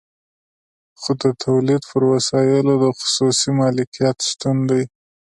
خو د تولید پر وسایلو د خصوصي مالکیت شتون دی